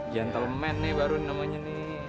gentleman nih baru namanya nih